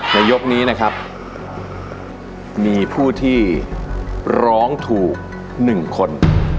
ยกนี้นะครับมีผู้ที่ร้องถูก๑คน